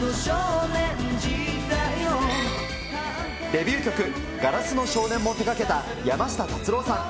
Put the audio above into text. デビュー曲、硝子の少年も手がけた山下達郎さん。